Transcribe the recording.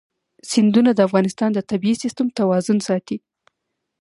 سیندونه د افغانستان د طبعي سیسټم توازن ساتي.